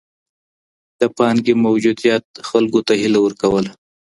د پانګي موجوديت خلګو ته هيله ورکوله.